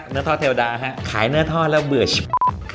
เนื้อทอดเทวดาฮะขายเนื้อทอดแล้วเบื่อชี